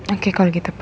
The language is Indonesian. oke kalau gitu pak